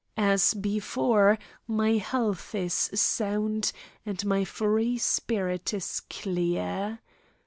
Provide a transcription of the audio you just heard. As before, my health is sound and my free spirit is clear.